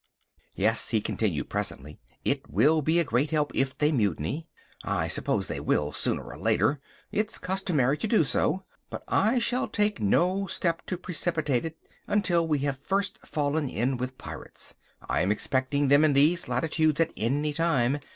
"Yes," he continued presently, "it will be a great help if they mutiny. I suppose they will, sooner or later. It's customary to do so. But I shall take no step to precipitate it until we have first fallen in with pirates. I am expecting them in these latitudes at any time.